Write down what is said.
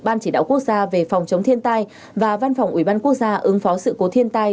ban chỉ đạo quốc gia về phòng chống thiên tai và văn phòng ubnd quốc gia ứng phó sự cố thiên tai